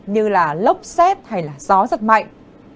như lóc xét hay gió rất mạnh